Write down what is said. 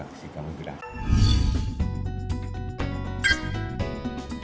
vâng xin cảm ơn quý đại